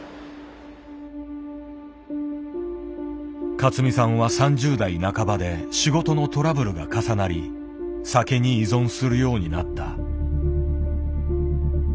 勝美さんは３０代半ばで仕事のトラブルが重なり酒に依存するようになった。